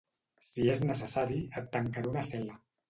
Si és necessari, et tancaré a una cel·la.